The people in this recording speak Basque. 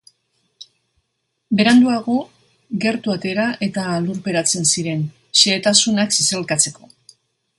Beranduago, gertu atera eta lurperatzen ziren, xehetasunak zizelkatzeko.